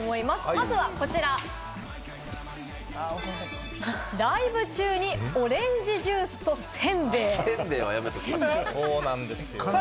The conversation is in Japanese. まずは、こちら、ライブ中にオレンジジュースとせんべい。